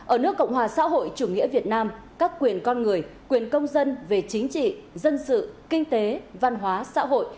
ở nước cộng hòa xã hội chủ nghĩa việt nam các quyền con người quyền công dân về chính trị dân sự kinh tế văn hóa xã hội